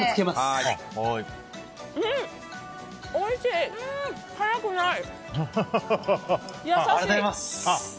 あ、おいしい。